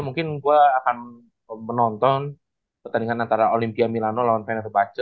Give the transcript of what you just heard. mungkin gue akan menonton pertandingan antara olimpia milano lawan final baca